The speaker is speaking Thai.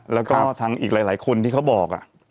แล้วก็ทางอีกหลายคนที่เขาบอก